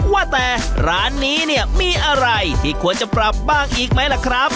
ว่าแต่ร้านนี้เนี่ยมีอะไรที่ควรจะปรับบ้างอีกไหมล่ะครับ